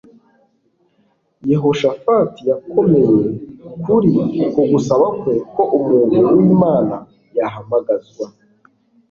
Yehoshafati yakomeye kuri uko gusaba kwe ko umuntu wImana yahamagazwa